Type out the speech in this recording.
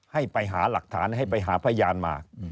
ให้ไปหาหลักฐานให้ไปหาพยานมา